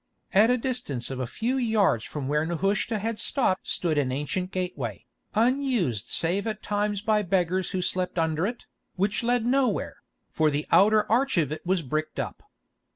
At a distance of a few yards from where Nehushta had stopped stood an ancient gateway, unused save at times by beggars who slept under it, which led nowhere, for the outer arch of it was bricked up.